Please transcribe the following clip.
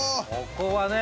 「ここはね